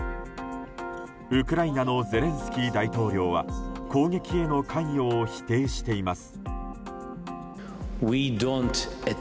ウクライナのゼレンスキー大統領は攻撃への関与を否定しています。